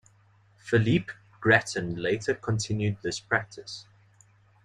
Philippe Graton later continued this practice.